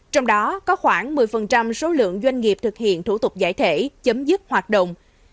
trong đó có khoảng một mươi số lượng doanh nghiệp thực hiện thủ tục giải thể chấm dứt hoạt động